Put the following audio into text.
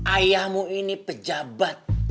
ayahmu ini pejabat